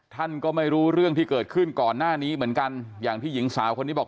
ท่านก็ไม่รู้เรื่องที่เกิดขึ้นก่อนหน้านี้เหมือนกันอย่างที่หญิงสาวคนนี้บอก